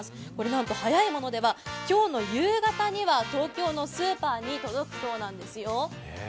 なんと早いものでは今日の夕方には東京のスーパーに届くそうなんですよ。